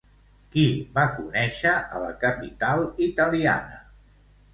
Qui va conèixer a la capital italiana?